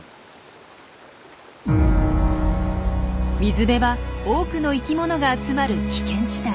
水辺は多くの生きものが集まる危険地帯。